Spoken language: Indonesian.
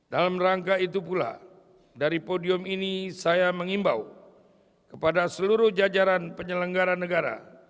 dalam rangka itu pula dari podium ini saya mengimbau kepada seluruh jajaran penyelenggara negara